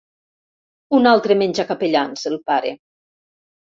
Un altre menjacapellans, el pare!